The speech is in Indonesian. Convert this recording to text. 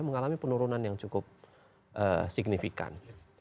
mengalami penurunan yang cukup signifikan